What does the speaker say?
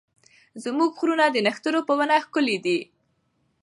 زموږ غرونه د نښترو په ونو ښکلي دي.